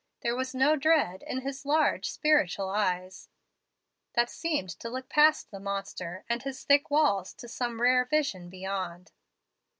There was no dread in his large, spiritual eyes, that seemed to look past the monster and his thick walls to some rare vision beyond.